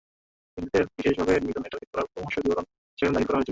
হিন্দুদের বিশেষভাবে নিধনের টার্গেট করার রোমহর্ষক বিবরণ সেখানে দাখিল করা হয়েছিল।